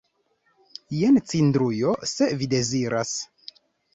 Jen cindrujo, se vi deziras.